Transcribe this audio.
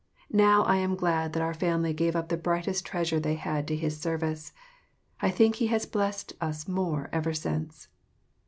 Now, I am glad that our family gave up the brightest treasure they had to his service. I think he has blest us more ever since.